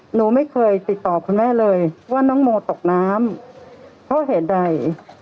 หนูไม่เคยติดต่อคุณแม่เลยว่าน้องโมตกน้ำเพราะเหตุใด